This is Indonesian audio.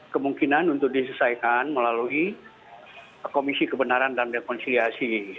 kemungkinan untuk diselesaikan melalui komisi kebenaran dan rekonsiliasi